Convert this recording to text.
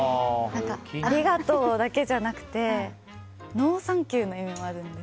ありがとうだけじゃなくてノーサンキューの意味もあるんです。